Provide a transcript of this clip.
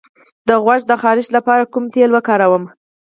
د غوږ د خارش لپاره کوم تېل وکاروم؟